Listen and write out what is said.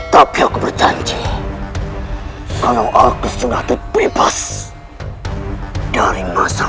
tapi aku berjanji kalau aku sudah terbebas dari masyarakat ini